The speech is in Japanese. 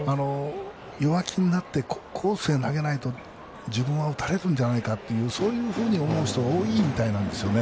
弱気になってコースに投げないと自分は打たれるんじゃないかとそういうふうに思う人が多いみたいなんです。